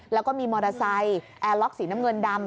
แล้วก็มีมอเตอร์ไซค์แอร์ล็อกสีน้ำเงินดำ